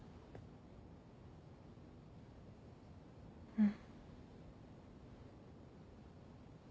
うん。